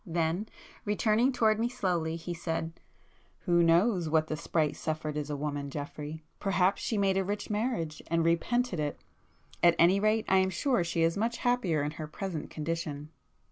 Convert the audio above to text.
Then, returning towards me slowly, he said—"Who knows what the 'sprite' suffered as a woman, Geoffrey! Perhaps she made a rich marriage, and repented it! At anyrate I am sure she is much happier in her present condition!"